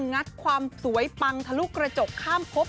งัดความสวยปังทะลุกระจกข้ามพบ